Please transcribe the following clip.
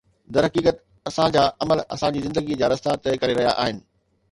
درحقيقت، اسان جا عمل اسان جي زندگي جا رستا طئي ڪري رهيا آهن